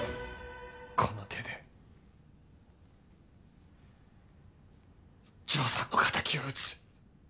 この手で丈さんの敵を討つ。